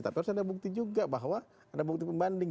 terus ada bukti juga bahwa ada bukti pembanding